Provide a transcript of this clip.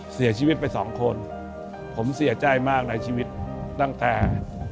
เสียชีวิตไปสองคนผมเสียใจมากในชีวิตตั้งแต่